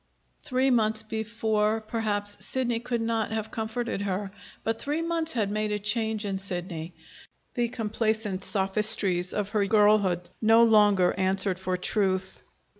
Three months before, perhaps, Sidney could not have comforted her; but three months had made a change in Sidney. The complacent sophistries of her girlhood no longer answered for truth.